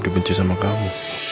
dibenci sama kamu